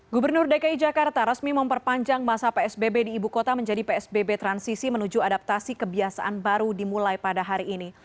gubernur dki jakarta resmi memperpanjang masa psbb di ibu kota menjadi psbb transisi menuju adaptasi kebiasaan baru dimulai pada hari ini